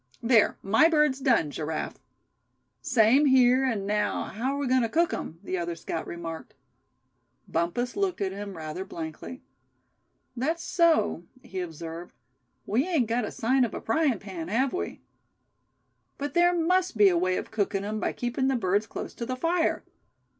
There, my bird's done, Giraffe." "Same here; and now how are we agoin' to cook 'em?" the other scout remarked. Bumpus looked at him rather blankly. "That's so," he observed, "we ain't got a sign of a frying pan, have we?" "But there must be a way of cooking 'em by keeping the birds close to the fire.